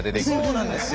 そうなんですよ。